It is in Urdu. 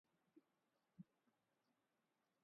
یہ دوسری بات ہے۔